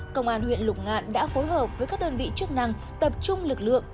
công an huyện lục ngạn đã phối hợp với các đơn vị chức năng tập trung lực lượng